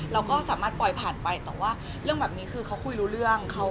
เราก็สามารถปล่อยผ่านไปแต่ว่าเรื่องแบบนี้คือเขาคุยรู้เรื่อง